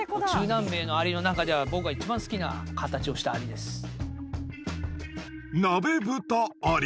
中南米のアリの中では僕は一番好きな形をしたアリです。